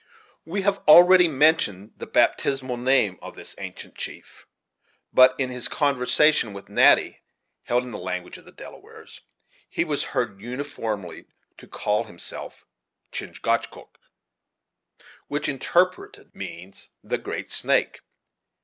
We have already mentioned the baptismal name of this ancient chief; but in his conversation with Natty, held in the language of the Delawares, he was heard uniformly to call himself Chingachgook, which, interpreted, means the "Great Snake."